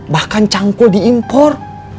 bahkan cangkul diimpor